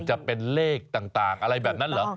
จะเป็นเลขต่างอะไรแบบนั้นเหรอ